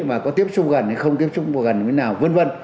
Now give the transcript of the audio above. là có tiếp xúc gần hay không tiếp xúc gần như thế nào vân vân